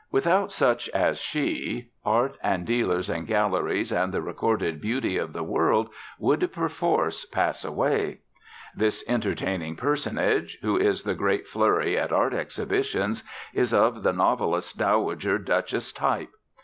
Without such as she Art, and dealers, and galleries, and the recorded beauty of the world would perforce pass away. This entertaining personage, who is the great flurry at art exhibitions, is of the novelists' dowager Duchess type.